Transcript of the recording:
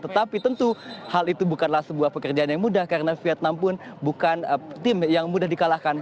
tetapi tentu hal itu bukanlah sebuah pekerjaan yang mudah karena vietnam pun bukan tim yang mudah dikalahkan